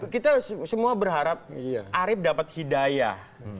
kita semua berharap arief dapat hidayah